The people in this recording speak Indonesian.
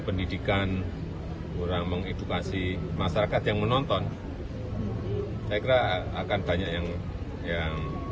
pendidikan kurang mengedukasi masyarakat yang menonton saya kira akan banyak yang